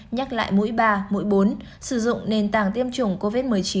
nhắc lại mũi ba mũi bốn sử dụng nền tảng tiêm chủng covid một mươi chín